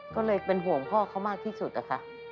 ก็เลยเป็นห่วงพ่อเขามากที่สุดอะค่ะ